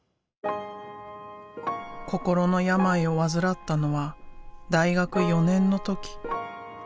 心の病を患ったのは大学４年の時。